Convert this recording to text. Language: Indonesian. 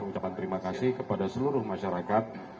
ucapan terima kasih kepada seluruh masyarakat